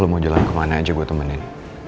mau jalan kemana aja gue temenin